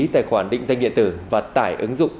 tài khoản định danh điện tử và tải ứng dụng